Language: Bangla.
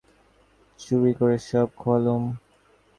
চুরি করে সব খোয়ালুম।